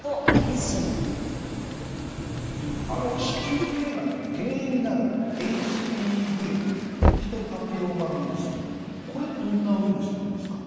あの子宮頸がんの原因になるＨＰＶヒトパピローマウイルスこれどんなウイルスなんですか？